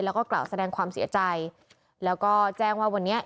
แล้วก็กล่าวแสดงความเสียใจแล้วก็แจ้งว่าวันนี้